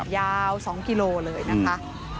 ยาว๒กิโลเลยนะคะ